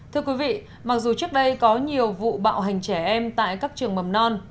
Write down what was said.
thưa quý vị mặc dù trước đây có nhiều vụ bạo hành trẻ em tại các trường mầm non